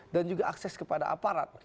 dan juga akses kepada aparat